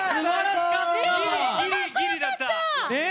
ギリギリギリだった！